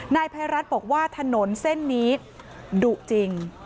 นายภัยรัฐบอกว่าถนนเส้นนี้ดุจริง